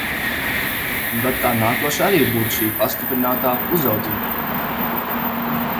Un tad tā nākošā arī būtu šī pastiprinātā uzraudzība.